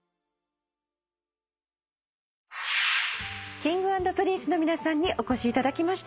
Ｋｉｎｇ＆Ｐｒｉｎｃｅの皆さんにお越しいただきました。